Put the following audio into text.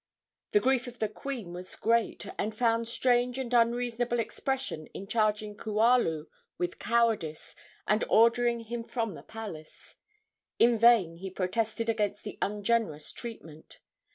The grief of the queen was great, and found strange and unreasonable expression in charging Kualu with cowardice and ordering him from the palace. In vain he protested against the ungenerous treatment.